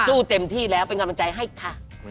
เต็มที่แล้วเป็นกำลังใจให้ค่ะ